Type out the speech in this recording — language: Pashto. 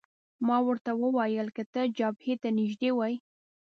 ما ورته وویل: که ته جبهې ته نږدې وای.